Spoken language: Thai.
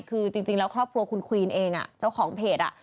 คือจริงแล้วครอบครัวคุณควีนเองเจ้าของเพจ